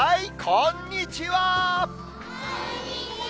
こんにちは。